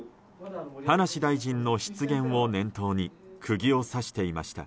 葉梨大臣の失言を念頭に釘を刺していました。